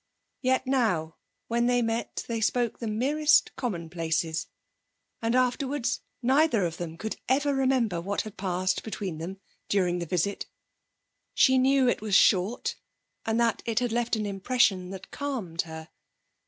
Yet now, when they met they spoke the merest commonplaces. And afterwards neither of them could ever remember what had passed between them during the visit. She knew it was short, and that it had left an impression that calmed her.